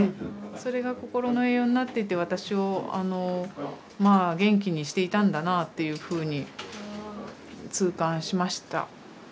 それがこころの栄養になってて私をあのまあ元気にしていたんだなぁっていうふうに痛感しました。